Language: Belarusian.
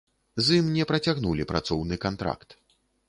З ім не працягнулі працоўны кантракт.